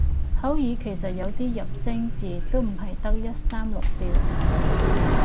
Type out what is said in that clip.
口語其實有啲入聲字都唔係得一三六調